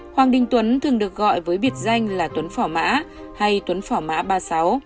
hoàng đình tuấn thường được gọi với biệt danh là tuấn phỏ mã hay tuấn phỏ mã ba mươi sáu